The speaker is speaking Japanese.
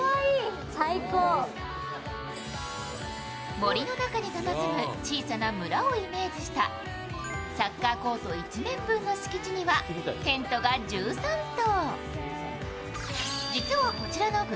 森の中にたたずむ小さな村をイメージした、サッカーコート１面分の敷地にはテントが１３棟。